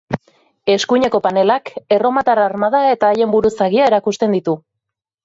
Eskuineko panelak erromatar armada eta haien buruzagia erakusten ditu.